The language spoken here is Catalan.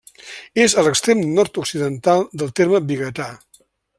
És a l'extrem nord-occidental del terme biguetà.